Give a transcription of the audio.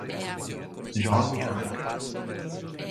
John Young.